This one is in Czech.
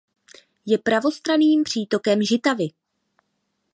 Je pravostranným přítokem Žitavy.